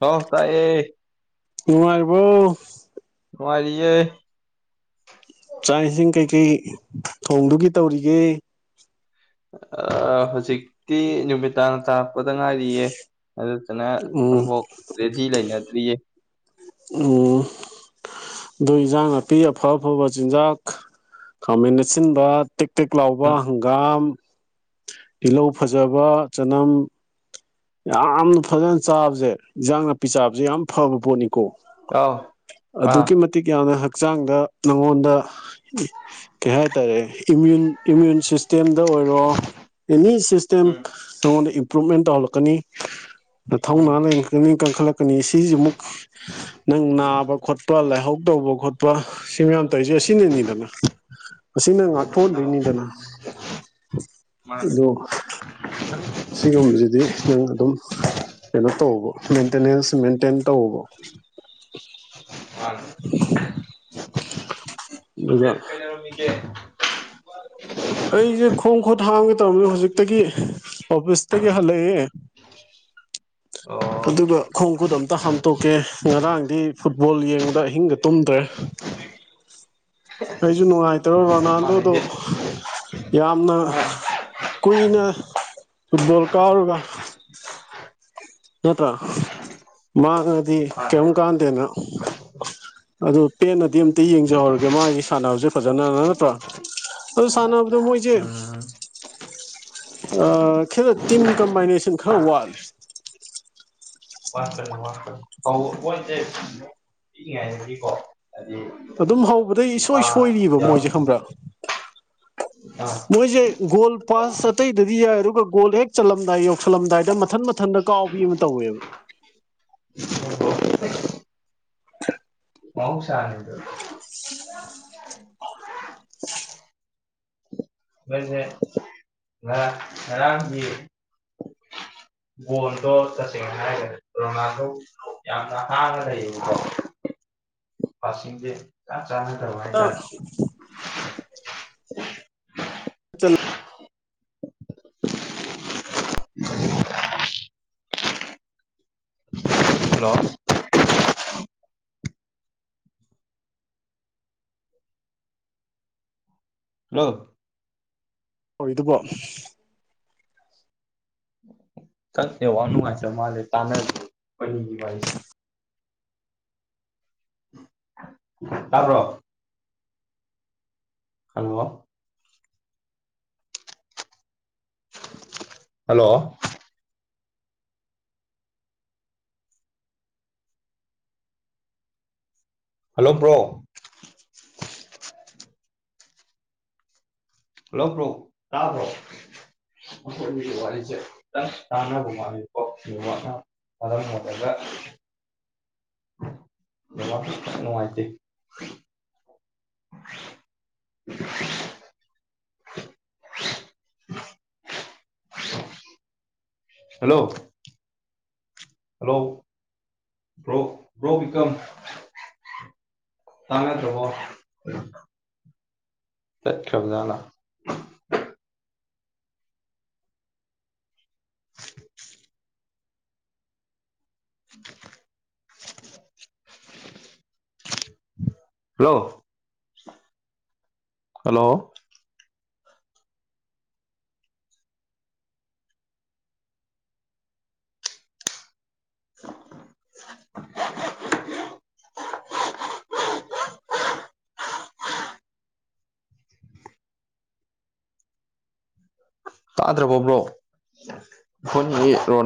ꯍꯥꯎ ꯇꯥꯏꯌꯦ ꯅꯨꯉꯥꯏꯔꯤꯕꯣ ꯅꯨꯉꯥꯏꯔꯤꯌꯦ ꯆꯥꯛ ꯏꯁꯤꯡ ꯀꯩꯀꯩ ꯊꯣꯡꯗꯣꯒꯤ ꯇꯧꯔꯤꯒꯦ ꯑꯥ ꯍꯧꯖꯤꯛꯇꯤ ꯅꯨꯃꯤꯗꯥꯡ ꯇꯥꯔꯛꯄꯗ ꯉꯥꯏꯔꯤꯌꯦ ꯑꯗꯨꯗꯨꯅ ꯎꯝ ꯑꯝꯕꯥꯎ ꯔꯦꯗꯤ ꯂꯩꯅꯗ꯭ꯔꯤꯌꯦ ꯎ ꯑꯗꯨ ꯏꯟꯖꯥꯡ ꯅꯥꯄꯤ ꯑꯐ ꯑꯐꯕ ꯆꯤꯟꯖꯥꯛ ꯈꯥꯃꯦꯟ ꯑꯁꯤꯟꯕ ꯇꯤꯛ ꯇꯤꯛ ꯂꯥꯎꯕ ꯎꯝ ꯍꯪꯒꯥꯝ ꯇꯤꯜꯍꯧ ꯐꯖꯕ ꯆꯅꯝ ꯌꯥꯝꯅ ꯐꯖꯅ ꯆꯥꯕꯁꯦ ꯏꯟꯖꯥꯡ ꯅꯥꯄꯤ ꯆꯥꯕꯁꯦ ꯌꯥꯝ ꯐꯕ ꯄꯣꯠꯅꯤꯀꯣ ꯑꯥꯎ ꯑꯥ ꯑꯗꯨꯒꯤ ꯃꯇ ꯃꯇꯤꯛ ꯌꯥꯝꯅ ꯍꯛꯆꯥꯡꯗ ꯅꯉꯣꯟꯗ ꯀꯩ ꯍꯥꯏꯇꯥꯔꯦ ꯏꯃ꯭ꯌꯨꯟ ꯏꯃ꯭ꯌꯨꯟ ꯁꯤꯁꯇꯦꯝꯗ ꯑꯣꯏꯔꯣ ꯑꯦꯅꯤ ꯁꯤꯁꯇꯦꯝ ꯎꯝ ꯅꯉꯣꯟꯗ ꯏꯝꯄ꯭ꯔꯨꯚꯃꯦꯟ ꯇꯧꯍꯜꯂꯛꯄ ꯎꯝ ꯅꯤꯊꯧꯅꯥ ꯂꯩꯛꯀꯅꯤ ꯀꯟꯈꯠꯂꯛꯀꯅꯤ ꯁꯤꯁꯤ ꯑꯃꯨꯛ ꯅꯪ ꯅꯥꯕ ꯈꯣꯠꯄ ꯂꯥꯏꯍꯧ ꯇꯧꯕ ꯈꯣꯠꯄ ꯁꯤ ꯃꯌꯥꯝ ꯇꯧꯁꯦ ꯑꯁꯤꯅꯅꯤꯗꯅ ꯑꯁꯤꯅ ꯉꯥꯛꯊꯣꯛꯍꯟꯗꯣꯏꯅꯤꯗꯅ ꯃꯥꯅꯦ ꯑꯗꯨꯣ ꯁꯤꯒꯨꯝꯕꯁꯤꯗꯤ ꯅꯪ ꯑꯗꯨꯝ ꯀꯩꯅꯣ ꯇꯧꯕ ꯃꯦꯟꯇꯦꯅꯦꯟꯁ ꯃꯦꯟꯇꯦꯟ ꯇꯧꯕ ꯑ ꯑꯗꯨꯒ ꯀꯔꯃꯤꯒꯦ ꯑꯩꯁꯦ ꯈꯣꯡ ꯈꯨꯠ ꯍꯥꯡꯒꯦ ꯇꯧꯔꯅꯤ ꯍꯧꯖꯤꯛꯇꯒꯤ ꯑꯣꯐꯤꯁꯇꯒꯤ ꯍꯜꯂꯛꯑꯦ ꯑꯣ ꯑꯗꯨꯒ ꯈꯣꯡ ꯈꯨꯠ ꯑꯝꯇ ꯍꯥꯝꯇꯣꯛꯀꯦ ꯉꯔꯥꯡꯗꯤ ꯐꯨꯠꯕꯣꯜ ꯌꯦꯡꯕꯗ ꯑꯍꯤꯡꯒ ꯇꯨꯝꯗ꯭ꯔꯦ ꯑꯩꯩꯁꯨ ꯅꯨꯡꯉꯥꯏꯇ꯭ꯔꯣ ꯃꯥꯅꯦ ꯔꯣꯅꯥꯜꯗꯣꯗꯣ ꯍꯦ ꯌꯥꯝꯅ ꯑꯥ ꯀꯨꯏꯅ ꯐꯨꯠꯕꯣꯜ ꯀꯥꯎꯔꯒ ꯅꯠꯇ꯭ꯔꯥ ꯃꯥꯉꯗꯤ ꯃꯥꯅꯦ ꯀꯔꯤꯝ ꯀꯥꯟꯗꯦꯅ ꯑꯗꯨ ꯄꯦꯟꯅꯗꯤ ꯑꯝꯇ ꯌꯦꯡꯖꯍꯧꯔꯒꯦ ꯃꯥꯒꯤ ꯁꯥꯟꯅꯕꯁꯦ ꯐꯖꯅꯅ ꯅꯠꯇ꯭ꯔꯥ ꯑꯗꯨ ꯁꯥꯟꯅꯕꯗꯣ ꯃꯣꯏꯁꯦ ꯎꯝ ꯑ ꯈꯦꯔ ꯇꯤꯝ ꯀꯝꯕꯥꯏꯅꯦꯁꯟ ꯈꯔ ꯋꯥꯠꯂꯦ ꯑꯣꯏꯣꯏ ꯄꯤꯛꯏ ꯉꯥꯏꯒꯤꯀꯣ ꯑꯗꯨꯗꯤ ꯑꯗꯨꯝ ꯍꯧꯕꯗꯩ ꯏꯁꯣꯏ ꯁꯣꯏꯔꯤꯕ ꯃꯣꯏꯁꯦ ꯈꯪꯕ꯭ꯔꯥ ꯃꯇꯝ ꯃꯣꯏꯁꯦ ꯒꯣꯜ ꯄꯥꯁ ꯑꯇꯩꯗꯗꯤ ꯌꯥꯏꯔꯒ ꯒꯣꯜ ꯍꯦꯛ ꯆꯜꯂꯝꯗꯥꯏ ꯌꯧꯁꯜꯂꯝꯗꯥꯏꯗ ꯃꯊꯟ ꯃꯊ ꯃꯊꯟꯇ ꯀꯥꯎꯕꯤ ꯑꯃ ꯇꯧꯋꯦꯕ ꯃꯧꯁꯥꯅꯤꯗꯨ ꯍ ꯃꯁꯦ ꯍꯥꯏꯔꯝ ꯒꯣꯟꯗꯣ ꯇꯁꯦꯡꯅ ꯍꯥꯏꯈ꯭ꯔꯦ ꯔꯣꯅꯥꯜꯗꯣ ꯑ ꯂꯩ ꯀꯥ ꯆꯥꯅꯤ ꯇꯥꯏ ꯆꯠꯂꯣ ꯍꯜꯂꯣ ꯍꯜꯂꯣ ꯍ ꯏꯀꯣ ꯀ ꯋꯥꯅ ꯋꯥꯆ ꯃꯥ ꯇꯥꯅꯅꯤ ꯋꯥ ꯇꯔꯕ꯭ꯔꯣ ꯀꯜꯂꯣ hello hello bro hello bro ꯇꯥ ꯄ꯭ꯔꯣ ꯃꯈꯣꯏꯒꯤꯗꯤ ꯋꯥꯔꯤꯁꯦ ꯇꯥꯅꯕ ꯃꯥꯀ ꯑ ꯃꯗꯒ ꯅꯨꯡꯉꯥꯏꯇ [inaudible] [inaudible] ꯍꯜꯂꯣ ꯍꯜꯂꯣ [unintelligible] [unintelligible] [unintelligible] [unintelligible] ꯍꯜꯂꯣ ꯍꯜꯂꯣ [unintelligible] ꯇꯥꯗ꯭ꯔꯕꯣ ꯕ꯭ꯔꯣ [unintelligible]